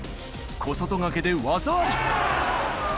小外掛けで技あり。